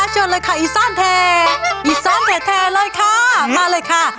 เชิญเลยค่ะอีซ่านแท้อีซอนแท้เลยค่ะมาเลยค่ะ